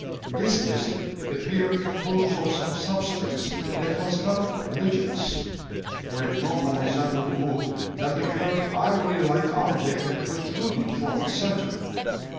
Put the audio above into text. This disc appeared composed of some substance that was not ligneous: for it no more resembled wood than the curved ivory like object that protruded from its centre.